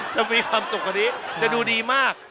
จะมีความสุขกว่านี้จะดูดีมาก